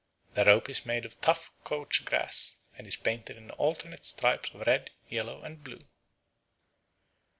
The rope is made of tough couch grass and is painted in alternate stripes of red, yellow, and blue.